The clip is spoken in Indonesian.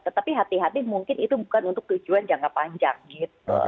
tetapi hati hati mungkin itu bukan untuk tujuan jangka panjang gitu